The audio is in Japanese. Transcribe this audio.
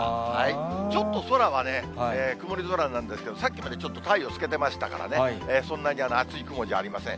ちょっと空はね、曇り空なんですけど、さっきまでちょっと太陽透けてましたからね、そんなに厚い雲じゃありません。